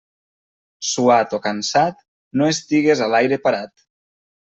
Suat o cansat, no estigues a l'aire parat.